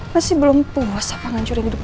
masih belum puas apa ngancurin hidup gue